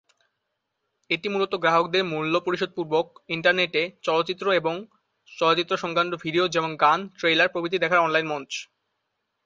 এটি মূলত গ্রাহকদের মূল্য পরিশোধ পূর্বক ইন্টারনেটে চলচ্চিত্র এবং চলচ্চিত্র সংক্রান্ত ভিডিও যেমনঃ গান, ট্রেইলার প্রভৃতি দেখার অনলাইন মঞ্চ।